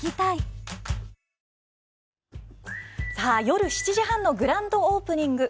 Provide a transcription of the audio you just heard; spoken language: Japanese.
夜７時半のグランドオープニング